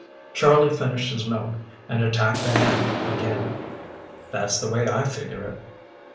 Charlie finished his milk and attacked the ham again. "That's the way I figure it."